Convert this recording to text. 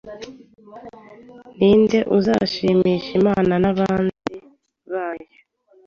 Ninde udashimisha Imana n'abanzi bayo